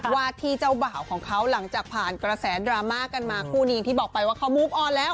ว่าที่เจ้าบ่าวของเขาหลังจากผ่านกระแสดราม่ากันมาคู่นี้อย่างที่บอกไปว่าเขามูฟออนแล้ว